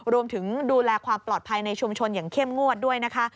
ดูแลความปลอดภัยในชุมชนอย่างเข้มงวดด้วยนะคะ